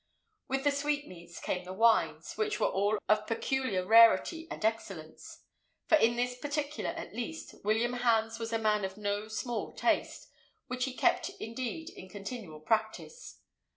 With the sweatmeats came the wines, which were all of peculiar rarity and excellence; for in this particular, at least, William Hans was a man of no small taste, which he kept indeed in continual practice.